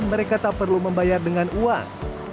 mereka tak perlu membayar dengan uang